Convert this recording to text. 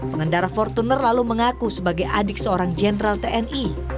pengendara fortuner lalu mengaku sebagai adik seorang jenderal tni